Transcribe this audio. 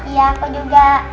iya aku juga